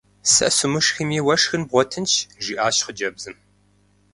Сэ сумышхми уэ шхын бгъуэтынщ! – жиӀащ хъыджэбзым.